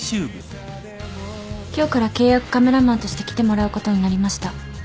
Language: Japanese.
今日から契約カメラマンとして来てもらうことになりました。